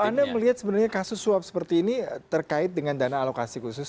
anda melihat sebenarnya kasus suap seperti ini terkait dengan dana alokasi khusus